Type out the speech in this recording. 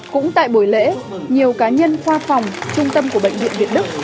cũng tại buổi lễ nhiều cá nhân khoa phòng trung tâm của bệnh viện việt đức